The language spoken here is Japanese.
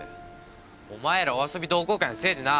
お前らお遊び同好会のせいでな